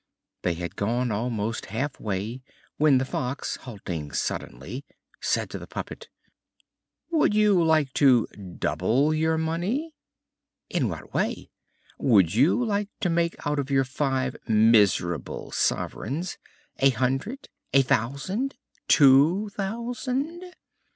They had gone almost half way when the Fox, halting suddenly, said to the puppet: "Would you like to double your money?" "In what way?" "Would you like to make out of your five miserable sovereigns, a hundred, a thousand, two thousand?"